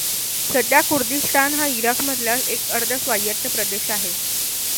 सध्या कुर्दिस्तान हा इराकमधलाच एक अर्ध स्वायत्त प्रदेश आहे.